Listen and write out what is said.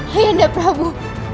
ayah anda prabu